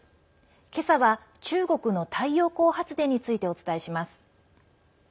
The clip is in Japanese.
けさは中国の太陽光発電についてお伝えします。